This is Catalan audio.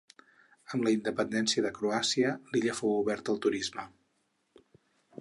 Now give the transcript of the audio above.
Amb la independència de Croàcia, l'illa fou oberta al turisme.